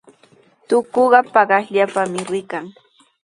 Tukuqa paqasllapami rikan.